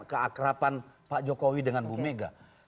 keakrapan pak jokowi dengan bu mega